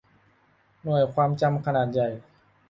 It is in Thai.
หน่วยความจำขนาดใหญ่